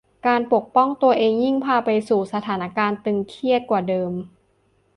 การปกป้องตัวเองยิ่งพาไปสู่สถานการณ์ตึงเครียดกว่าเดิม